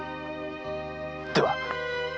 では。